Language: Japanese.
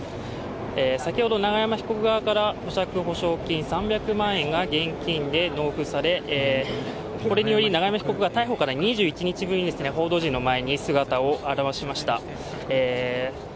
先ほど永山被告側から保釈保証金３００万円が現金で納付され、これにより永山被告が逮捕から２１日ぶりに報道陣の前に姿を現しました。